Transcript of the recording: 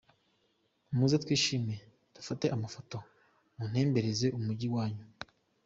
Muze twishime, dufate amafoto, muntembereze umujyi wanyu.